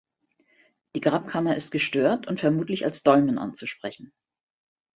Die Grabkammer ist gestört und vermutlich als Dolmen anzusprechen.